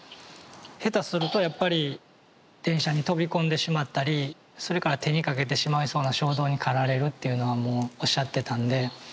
下手するとやっぱり電車に飛び込んでしまったりそれから手にかけてしまいそうな衝動に駆られるっていうのはもうおっしゃってたんで。